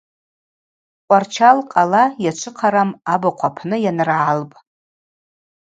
Ткъварчал къала йачвыхъарам абыхъв апны йаныргӏалпӏ.